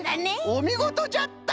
おみごとじゃった！